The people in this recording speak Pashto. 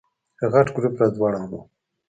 غټ ګروپ راځوړند و.